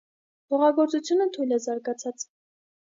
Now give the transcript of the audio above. Հողագործությունը թույլ է զարգացած։